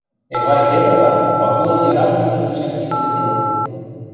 Эвай Петрлӓн Пагулын яратымыжы гишӓн келесӹделыт.